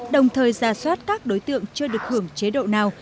đồng thời ra soát các đối tượng chưa được hưởng chế độ nào